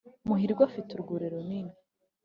muhirwa afite urwuri runini